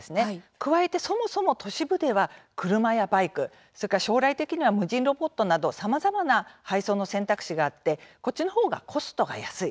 加えて、そもそも都市部では車やバイク、それから将来的には無人ロボットなどさまざまな配送の選択肢があってこっちの方がコストが安い。